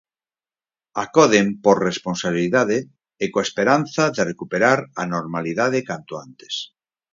Acoden por responsabilidade e coa esperanza de recuperar a normalidade canto antes.